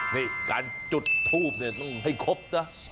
นี่การจุดทูบเนี่ยต้องให้ครบนะ